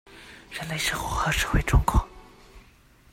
人類生活和社會狀況